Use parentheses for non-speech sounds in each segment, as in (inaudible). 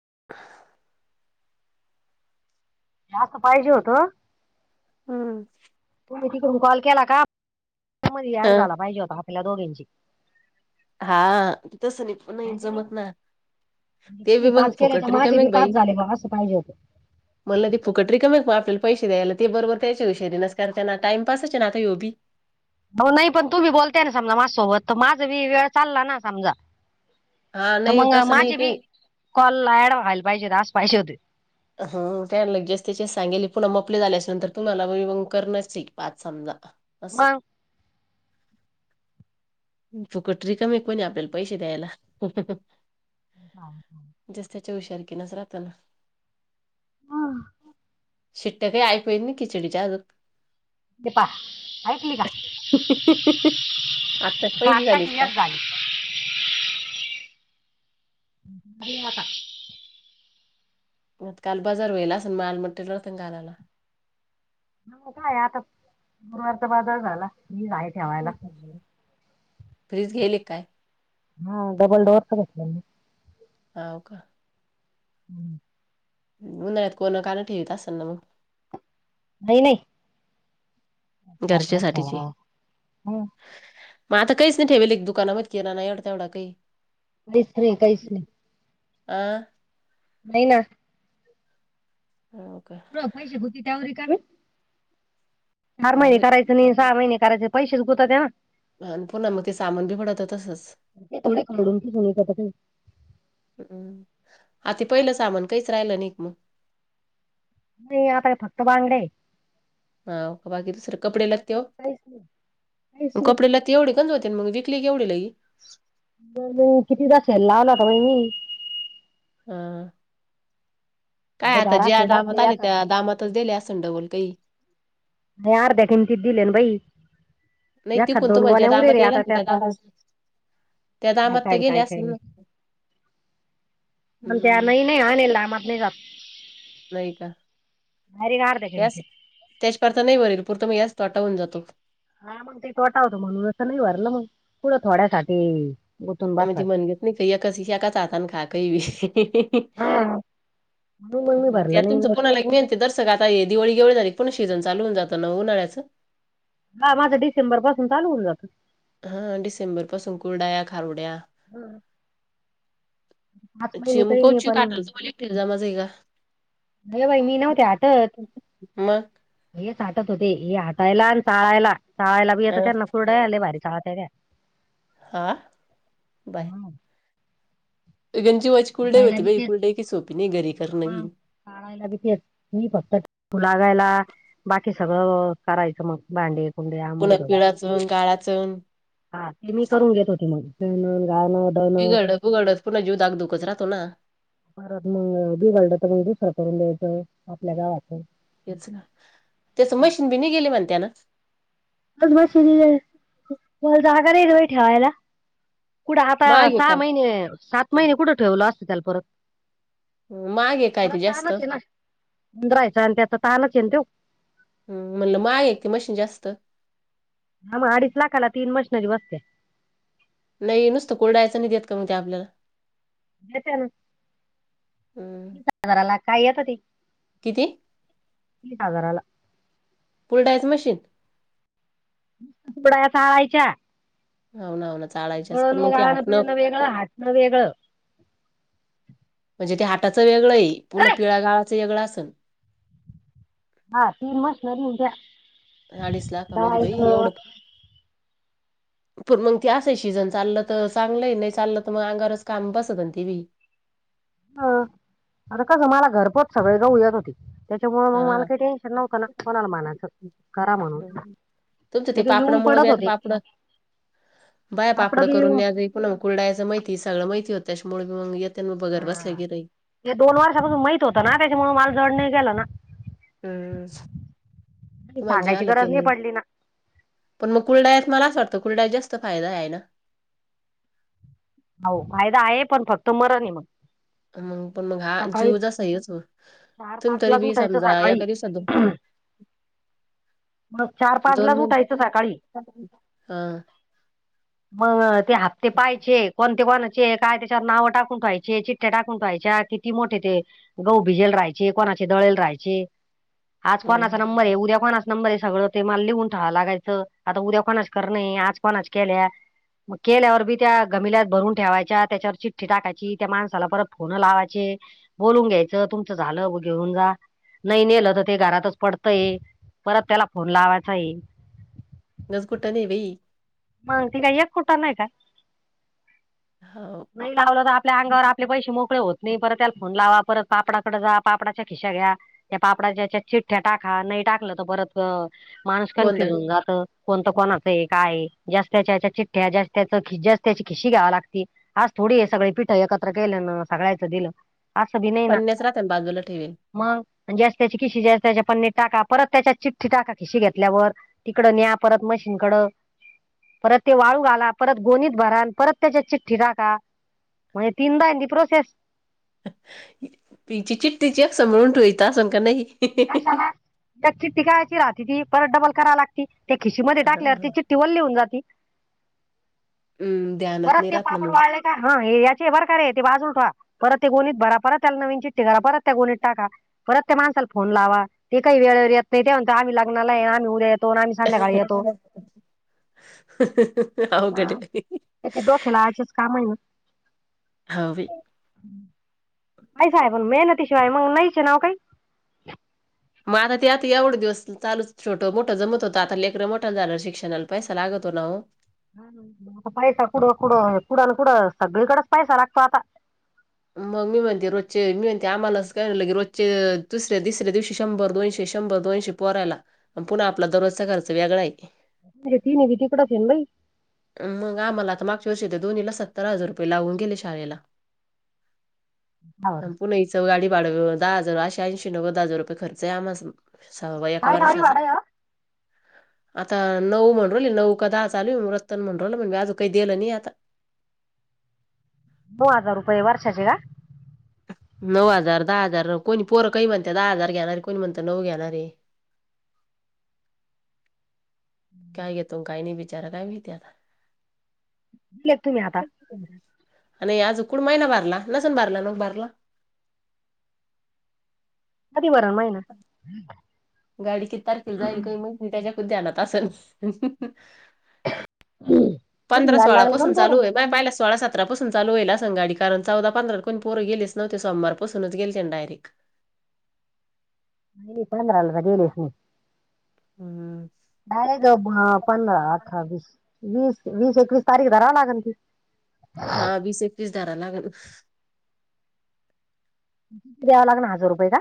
(inaudible) जास्त पाहिजे होत. हम्म. तिकडून कॉल केला का यामध्ये ऍड अ झाला पाहिजे होता आपल्याला दोघींची. हा तसं नाही नाही हाय की जमत ना. म्हणजे ते बी ती मग पास केले फुकट तर माझे बी पास झाले बाबा असं पाहिजे होतं. मला ते फुकट रिकामच आप पैसे द्यायला ते बरोबर त्याच्या हुशारी नसकार त्यांना टाइमपासच ना आता योबी. हो नाही पण तुम्ही बोलताय ना समजा माझ्या सोबत, तर माझ बी वेळ चालला ना समजा. हा तर नाही मग तसं नाही माझे ते बी कॉलला ऍड व्हायला पाहिजे होत, असं पाहिजे होते. हं त्या लगेच त्या जे सांगेले पुन्हा मपले झाले असेन नंतर तुम्हाला मग म करनच हाय की पाच समजा. असं. मग फुकट रिकाम हाय कोणी आपल्याला पैसे द्यायला. हा, हा. हुशारकीनीच राहत ना शिट्ट्या काही ऐकु येत नाही खिचडीच्या अजुक ते पहा ऐकली का? आत्ताच पहिली झाली आताशी काय? एक झाली. (unintelligible) काल बजार व्हायला असेल मग आज मटेरियल होता ना घालावा. ह काय आता गुरुवारचा बाजार झाला मी आहे ठेवायला. फ्रिज घेली काय? हा डबल डोरच घेतला मी. होव का? हम्म. उन्हाळ्यात कोण काणं ठेवीत असेल ना मग नाही नाही आप ख घरच्यासाठीची हम मग आता काहीच नाही ठेवेल आहे का किराणा एवढा तेवढा काही कैच नाही, कैच नाही आह नाही ना हो का ब पैसे भ होती त्यावर का चार हो महिने बाई करायचे नाही सहा महिने करायचे पैसेच गुतत्या ना अ पुन्हा मग ते सामान बी पडत तसच ते थोडे खरडून फिसून विकत आहे. हम् आत पहिलं सामान काहीच राहिलं नक मग नाही आता का फक्त बांगड्या ह का बाकी दुसर कपडे लते बाकी काहीच नाही काहीच मग कपडे लते एवढे काणते मग विकली क एवढी लई म नाही किती तास लावलाता महि मी हां काय आता साडेबारा ज्या असले तर दामात असले आले एखाद त्या दामातच दिले असंड बोल काही यार देेन ति दिलेन बई नाही एख तिकून दोन तुम्हाला ज्या गोण्या उरे दामात रे येईल ना आता त्यात त्या दामात त्या काय, दामात तर काय ना गेले काय असेल कायन ना पण त्या हम्म नाही, नाही आण लामात नाही जात डायरेक्ट अर्ध्या यास किमतीत त्याच्यापथ नाही वरेल पुरत मग यास तोटावून जातो हा मग ते तोटा होत म्हणून असं नाही भरलं मग पुढं थोड्यासाठी गुतून आम ते बसायचं म्हणगेत नाही कही अ एकाच हातान खा कही बी हा म्हणून मग मी त्या भरलं नाही तुमचं कोणाला मिेनते दर्शक आता दिवाळी एवढे झा पण सिजन चालू होन जातं न उन्हाळ्याचं हा माझं डिसेंबर पासून चालू होऊन जात हा डिसेंबर पासून कुर्डाया खारवड्या हम्म पाच महिने काही चिमको नाही पण चिकाटल तुम्हाला एकटीला जमाच आहे का? अ बाई मी नव्हते आतच मग साटत होते ह आटायला आणि चाळायला चाळायला बी येत हं त्यांना कुरडया आहे लय भारी चाळत्या त्या हा बाय गंजवाची कुलडाई हटायला होती बी बाई कुलडई की सोपी नाही घरी करन बी कायला भीती मी फक्त बघायला बाकी सगळं करायचं मग भांडी पुलं पिळाचन गळाचंन हा ते मी करून घेत होते मग गाणं दळणं बिघड उघडत पुन्हा जीव दाग दुखच राहतो ना परत मग बिघडलं तर मग दुसर करून द्यायचंय आपल्या गावातून हेच ग त्याच मशीन बी नाही गेली म्हणताना जागा नाही बाई ठेवायला कुठं आता महाग आहे सहा काय महिने सात महिने कुठं ठेवलं असते त्याल परत मागे काय ते जास्त दराहायच आणि त्याच तानच येल तेव हम् म्हणलं माग आहे क मशीन जास्त हा मग अडीच लाखाला तीन मशनरी बसते नाही नुसतं कोरडायचं नाही देत का मग ते आपल्याला देत ना हम्म. तीस हजाराला का येत हो त किती. तीस हजाराला. कूूर्लडायचं मशीन. थोडा्या स चाळाायच्या. हो ना हो ना चालायचेस पण मग तेी आात न.. पिळणं वेगळं हाटणं वेगळं म्हणजे ते हाटाचं वेगळं आहे पुनण अय! पिळागावाचं वेगळं असल. हा तीन मासनरी त्या. अडीच लाख म्हणजे बाई एवढं कय. प मग ते असं शिजन चाललं तर चांगलं नाही चाललं तर मग अंगारच काम बसत ते बी. (inaudible) ह आता कसं मला घरपोच सगळे गाहु येत होते. त्याच्यामुळे मग हा मला काही टेन्शन नव्हत ना कोणाला मानायचं करा म्हणून. हम्म. तुमचं ते लगे पापड येऊन मुळं बी पडत आता होते पापड. बाय कापड पापड बी करून येऊन नज कुनाला कुलडायचं माहिती सगळं माहिती होत त्याच्यामुळे मी मग येत. हा ते दोन वर्षापासून माहत होत ना त्याच्यामु माल जड नाही गेलं ना. हम्म त म्हणजे सांगायची आलं त गरज नाही म. पडली ना पण मग कुलडायात मला असं वाटत कुलड्यात जास्त फायदा आहे ना. हो फायदा आहे पण फक्त मरण आहे मग. मग पण मग हा सकाळी जीव जसा आहेच हो. चार तुम्ही पाच तरी लाच मी उठायचं समजा एका दिवसात. म चार, दोन पाचलाच दोन उठायचं सकाळी हां मग ते हप्ते पाहिचे. कोणते कोणाचे काय त्याच्यावर नाव टाकून ठायचे चिठ्या टाकून ठेेवायच्या किती मोठे ते गहु भिजेल राहायची कोणाचे दळेल राहायचे आज कोणाचा हं. नंबर आहे उद्या कोणाचा नंबर आहे सगळं ते मला लिहून ठावावं लागायचं आता उद्या कोणाच करणे आज कोणाच केल्या. मग केलेवर बी त्या. गमिल्यात भरून ठेवायच्या त्याच्यावर चिठ्ठी टाकायची त्या माणसाला परत फोन लावायचे बोलून घ्यायचं. तुमचं झालं घेऊन जा नाही नेलं तर ते घरातच पडतय. परत त्याला फोन लावायचा येईल. गंंजकुटाने आहे बाई. मग ते काय एक कुटाना आहे का. हो नाही लावलं तर आपल्या अंगावर आपले पैसे मोकळे होते. नाही परत त्याला फोन लावा परत पापडाकडे जा पापडाच्या खिश्या घ्या त्या पापडाच्या चिठठ्या टाका नाही. टाकलं तर परत माणूस कन्फ्युज गोंधळ होऊन जात. कोणतं कोणाचं एक काय ज्याच त्याच्या चिठ्या ज्याची त्याची खिशी घ्यावा लागती. आज थोडी हे सगळे पीठं एकत्र केले ना सगळायचं दिलं. असं भी नाही ना पन्न्याच राहत्या ना बाजूला ठेवेल. मग. ज्याची त्याची खिशीघया त्याच्या पनणी टाका परत त्याच्या चिठ्ठी टाका खिशी घेतल्यावर तिकडं न्या परत मशी. परत ते वाळू घला परत गोणीत भरान परत त्याच्या चिठ्ठी घा का म्हणजे तीनदा ति प्रोसेस. पिची चिट्टीची अक्ष म्हळून ठोयता असून का नाही हिंदीतही... कशाला त्या चि्टीायची राहते ती परत डबल कराय लागती ते खिशीमध्ये टाकवर ति हां चि्टीवल लिहून जाति. हं ध्यानात परत नाही ते राहत ना पापड मग वाढले का हा याचे बर का रे आहे ते बाजू पहा परत ते गोणीत भरा परत त्याला नवीन चिट्टी करा परत त्या गोणीत टाका परत त्या माण फोन लावा ते काही वेळेवर येत नाही ते म्हण आम्ही लग्नाला आहे आम्ही उदय तो म्हणणं आम्ही संध्याकाळी येतो अवघड आहे. ह तेे डोक्या लायचेच कामही हवी काहीच आहे पण मेहनतीशिवाय मग नाहीच ये ना ओ काही मग आता ते आता एवढे दिवस चालू छोटं मोठं जमत होतं आता लेकरं मोठा झाल शिक्षणाला पैसा लागत तो नाव सगळीकडच पैसा लागतो आता. मग मी म्हणते रोजचे मी म्हणते आम्हालाच कयलं की रोजचे तिसऱ्या दिसऱ्या दिवशी शंभर दोनशे. शंभर दोनशे पोहऱ्याला मग पुन्हा आपला दररोजचा खर्च वेगळा आ म्हणजे तिने बी तिकडंच आहे ना अ मग आम्हाला तर आता मागच्या वर्षी त. दोन्हीला सत्तर हजार रुपये लावून गेले शाळेला. बाई ह पुणे हिच गाडी भाडा दहा हजार अशे ऐंशी नव्वद हजार रुपये खर्च आहे आमस. सहावा एका काय गाडी वर्षाचा. भाडं आहे, हं? आता नऊ म्हणली नऊ का दहा चालू रतन म्हण म्हण बाजू काही गेल (unintelligible) (unintelligible) (unintelligible) (unintelligible) नाही आता. (inaudible) (inaudible) (inaudible) नऊ हजार रुपये वर्षाचे का? नऊ हजार दहा हजार कोणी पोरं काही म्हणत दहा हजार घ्याणार कोणी म्हणत नऊ घेणारे हाय (inaudible) काय घेतो काही नाही बिचारा काय माहिती आता दिले का तुम्ही आता आणि आज उकड महिना भरला नसून भरला मग भरला कधी भरणार (inaudible) गाडी किती तारखेला जाईल काय मग त्याच्या पण ध्यानात असल कधी पंधरा व्हायला लागले का सोळापासून पोरं चालू आहे नाही पहिल्या सोळा सात- सतरापासून चालू होईल असेन गाडी कारण चौदा पंधरा कोण पोर गेलीच नव्हते सोमवारपासूनच गेलतेन डायरेक्ट (inaudible) मी पंधराला गेलेस नाही हम्म अर ग पण आठ्ठावीस वीस वीस एकवीस तारीख धराव लागल की हा वीस एकवीस धारा लागेल किती द्यावं लागणार हजार रुपये का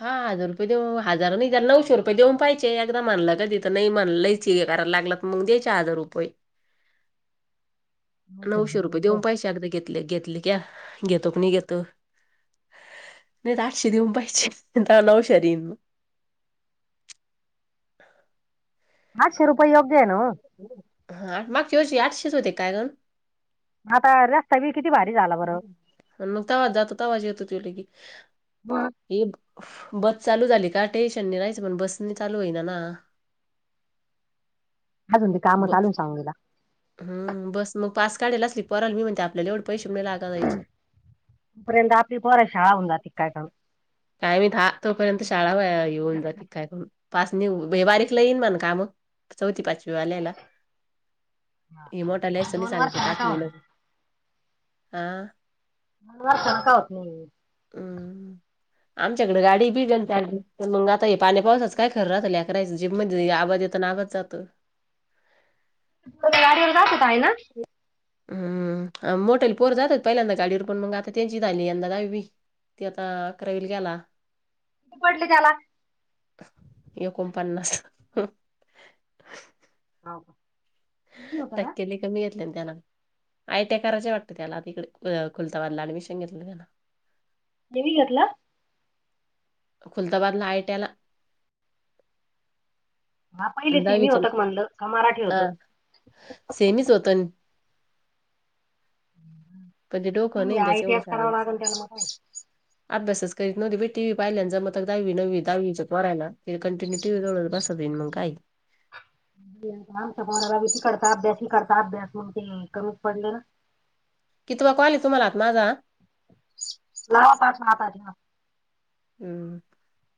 हा हजार रुपये देऊ हजार नाही त्याला नऊशे रुपये देऊन पाहिजे एकदा म्हनलं का तिथं नाही म्हनयची करायला लागला मग द्यायचे हजार रुपये नऊशे रुपये देऊन पैसे अर्ध घेतले घेतले क्या घेतो की नाही घेतो नाही आता आठशे देऊन पाहिचे नवश्या देईन (inaudible) (inaudible) आठशे रुपये योग्य आहे न्हव हा मागच्यावर्षी आठशेच होते काय ग म्हातारा मग तवाज जातो तवाज येतो तु ल की मग ये बस चालू झाली का टेन्शन नाही राहायचं पण बसने चालू होईना ना अजून ते काम चालून सांगूला हम् बस मग पास काढायला असली पोरांनी मी म्हणते आपल्याला तेवढे पैसे मु लागा जायचे तोपर्यंत आपली पोरांची शाळा होऊन जाते काय करण काय माहित हा तोपर्यंत शाळा येऊन जाते काय करून पास नि बारीकला येईन मण काम चौथी पाचवी वाल्याला हे मोठालेयसं नाही दोन सांगते वर्षाला आठ का मन होत हा हम्म (inaudible) आमच्याकडे गाडी बिलली मग आता हे पाण्या पावसाच काय खरं रा अकरा ज (inaudible) (unintelligible) होता आहे ना. हम्म मोठ्या पोर जातात पहिल्यांदा गाडीवर पण मग आता त्यांचीच झाली यंदा दवी त आता अकरावील गेला (unintelligible) एकोनपन्नस (unintelligible) टक्केले कमी घेतले ना त्याना (unintelligible) देवी घरला खुलताबादला आयट्याला हा पहिली सी म होत क म्हणलं का मराठी होत सेनी स्वतन पण ते डोकं नाही आय त्याचं टी एवढं एस करावं सांगून लागेल त्याला मग काय (unintelligible) (inaudible) म बाती करता अभ्यासही करता अभ्यास मग ते कमीच पडले ना (inaudible) (inaudible) (inaudible)